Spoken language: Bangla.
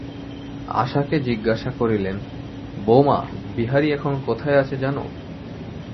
আশাকে জিজ্ঞাসা করিলেন, বউমা, বিহারী এখন কোথায় আছে জান?